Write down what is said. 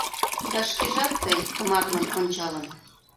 Да шкежат тый, тыматлын ончалын